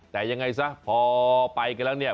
แต่ยังไงซะพอไปกันแล้วเนี่ย